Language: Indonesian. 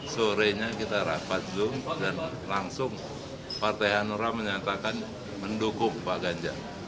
sorenya kita rapat zoom dan langsung partai hanura menyatakan mendukung pak ganjar